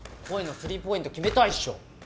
恋のスリーポイント決めたいっしょ。